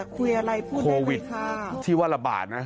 โควิดที่ว่าละบาทนะ